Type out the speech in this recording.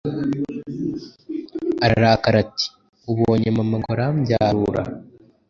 ararakara ati: "Ubonye mama ngo arambyarura!